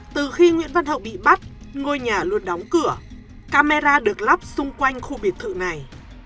từ khi nguyễn văn hậu bị bắt ngôi nhà luôn đóng cửa camera được lắp xung quanh khu biệt thự này